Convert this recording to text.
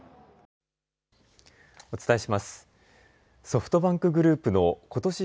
ソフトバンクグループのことし